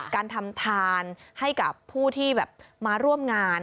การทำทานให้กับผู้ที่แบบมาร่วมงาน